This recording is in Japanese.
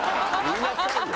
言いなさいよ。